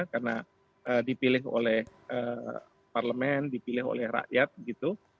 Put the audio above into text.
karena dipilih oleh parlemen dipilih oleh rakyat gitu